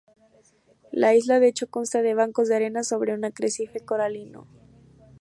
La isla de hecho consta de bancos de arena sobre un arrecife coralino.